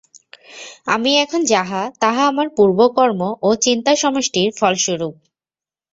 আমি এখন যাহা, তাহা আমার পূর্ব কর্ম ও চিন্তা-সমষ্টির ফলস্বরূপ।